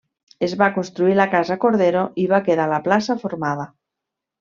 Es va construir la Casa Cordero i va quedar la plaça formada.